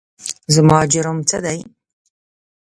زما جرم څه دی ؟؟